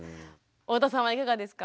太田さんはいかがですか？